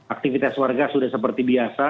aktivitas warga sudah seperti biasa